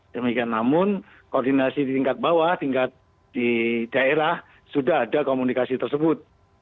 demikian namun koordinasi di tingkat bawah tingkat di daerah sudah ada komunikasi tersebut